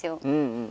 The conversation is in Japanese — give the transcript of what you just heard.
うん。